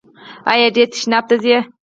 ایا ډیر تشناب ته ځئ؟